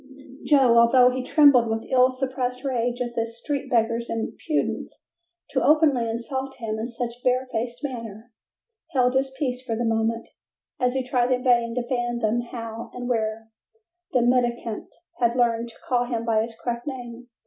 Joe, although he trembled with ill suppressed rage at this street beggar's impudence to openly insult him in such barefaced manner, held his peace for the moment, as he tried in vain to fathom how and where the mendicant had learned to call him by his correct name.